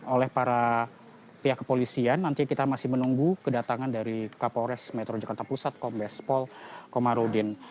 oleh para pihak kepolisian nantinya kita masih menunggu kedatangan dari kapolres metro jakarta pusat kombes pol komarudin